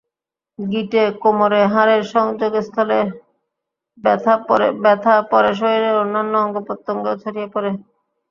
গিঁটে, কোমরে, হাড়ের সংযোগস্থলের ব্যথা পরে শরীরের অন্যান্য অঙ্গপ্রত্যঙ্গেও ছড়িয়ে পড়ে।